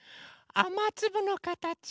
あまつぶのかたち。